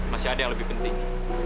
masih ada yang lebih penting